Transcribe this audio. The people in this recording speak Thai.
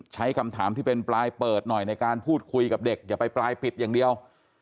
ใช้คำถามที่เป็นปลายเปิดหน่อยในการพูดคุยกับเด็กอย่าไปปลายปิดอย่างเดียว